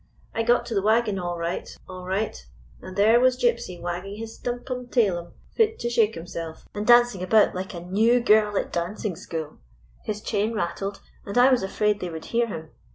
I got to the wagon all right, all right, and there was Gypsy wagging his stumpum tailum fit to shake himself, and dancing about like a new girl at dancing school. His chain rattled, and I was afraid they would hear him.